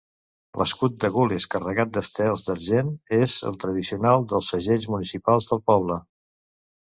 L'escut de gules carregat d'estels d'argent és el tradicional dels segells municipals del poble.